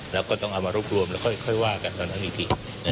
แล้วก็ต้องเอามารวบรวมแล้วค่อยว่ากันตอนนั้นอีกที